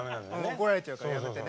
怒られちゃうからやめてね。